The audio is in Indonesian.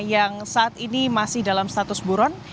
yang saat ini masih dalam status buron